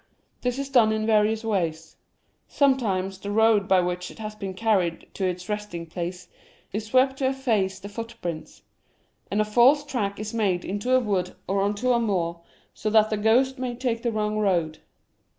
This is done in various ways. Sometimes the road by which it has been carried to its resting place is swept to efface the footprints, and a false track is made into a wood or on to a moor, so that the ghost may take the wrong road.